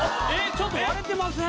ちょっと割れてません？